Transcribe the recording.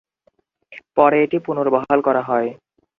পরে এটি পুনর্বহাল করা হয়।